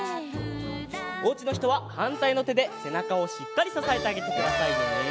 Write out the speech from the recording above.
おうちのひとははんたいのてでせなかをしっかりささえてあげてくださいね。